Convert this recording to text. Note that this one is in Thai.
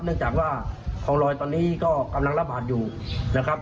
เนื่องจากว่าทลาดนัดที่บ้านคลองลอยตอนนี้กำลังระบาดอยู่นะครับ